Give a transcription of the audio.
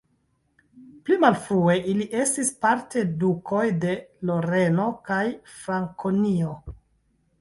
Pli malfrue ili estis parte dukoj de Loreno kaj Frankonio.